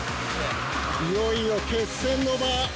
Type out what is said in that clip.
いよいよ決戦の場。